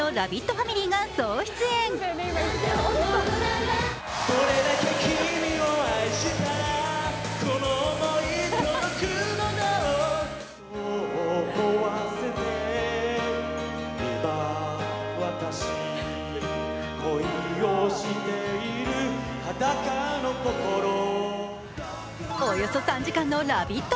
ファミリーが総出演およそ３時間のＬＯＶＥＩＴ！